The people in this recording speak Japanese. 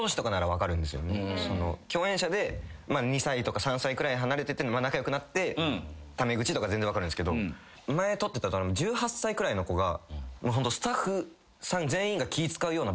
共演者で２歳とか３歳くらい離れてて仲良くなってタメ口とか全然分かるんですけど前撮ってたドラマ１８歳くらいの子が。